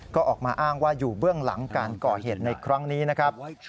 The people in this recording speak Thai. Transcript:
ก็ออกมาอ้างว่าอยู่เบื้องหลังการก่อเหตุในครั้งนี้นะครับ